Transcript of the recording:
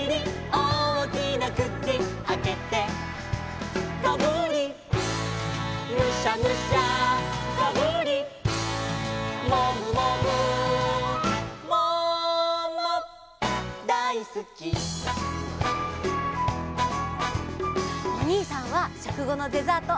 「おおきなくちあけて」「ガブリムシャムシャ」「ガブリモグモグ」「ももだいすき」おにいさんはしょくごのデザート